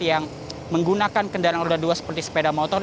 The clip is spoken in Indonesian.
yang menggunakan kendaraan roda dua seperti sepeda motor